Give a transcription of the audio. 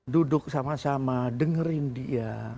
duduk sama sama dengerin dia